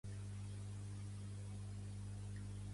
Això, sobre els hospitals, com es tradueix?